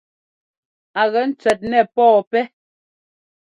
Á gɛ cʉɛt nɛɛ pɔɔpɛ́.